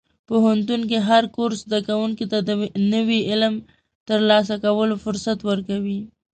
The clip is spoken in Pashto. پوهنتون کې هر کورس زده کوونکي ته د نوي علم ترلاسه کولو فرصت ورکوي.